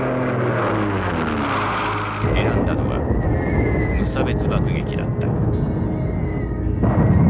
選んだのは無差別爆撃だった。